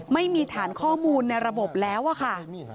ไม่มีฐานข้อมูลในระบบแล้วอะค่ะ